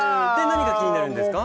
何が気になるんですか？